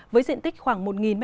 với diện tích khoảng một m hai